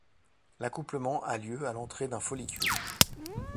L'accouplement a lieu à l’entrée d’un follicule.